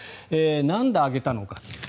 なんであげたのか。